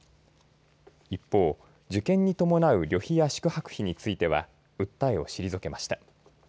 一方、受験に伴う旅費や宿泊費については訴えを退けました。